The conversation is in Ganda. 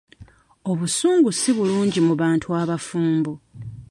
Obusungu si bulungi mu bantu abafumbo.